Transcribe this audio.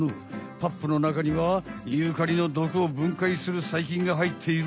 パップのなかにはユーカリの毒をぶんかいするさいきんがはいっている。